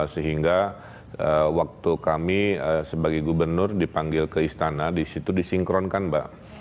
sehingga waktu kami sebagai gubernur dipanggil ke istana di situ disinkronkan mbak